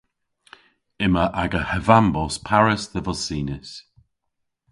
Yma aga hevambos parys dhe vos sinys.